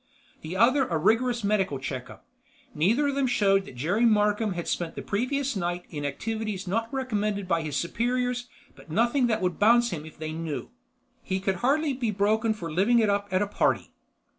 The other was a rigorous medical checkup. Neither of them showed that Jerry Markham had spent the previous night in activities not recommended by his superiors but nothing that would bounce him if they knew. He could hardly be broken for living it up at a party.